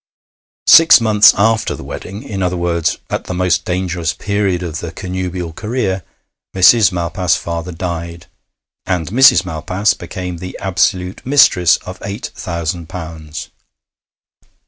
Six months after the wedding in other words, at the most dangerous period of the connubial career Mrs. Malpas's father died, and Mrs. Malpas became the absolute mistress of eight thousand pounds.